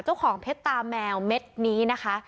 เจ้าของเพชรตาแมวเม็ดนี้นะคะ